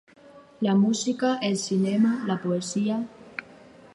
La música, el cinema, la poesia.